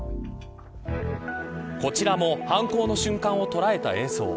こちらも犯行の瞬間を捉えた映像。